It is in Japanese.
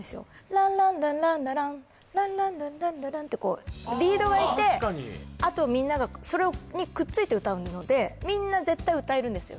ランランランランラランランランランランラランってリードがいてあとみんながそれにくっついて歌うのでみんな絶対歌えるんですよ